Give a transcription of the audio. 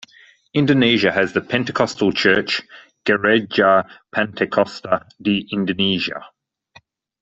Indonesia has the pentecostal church Gereja Pantekosta di Indonesia.